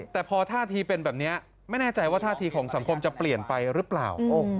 แต่พอท่าทีเป็นแบบนี้ไม่แน่ใจว่าท่าทีของสังคมจะเปลี่ยนไปหรือเปล่า